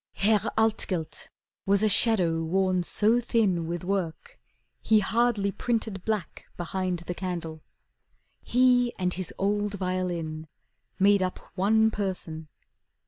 Herr Altgelt was a shadow worn so thin With work, he hardly printed black behind The candle. He and his old violin Made up one person.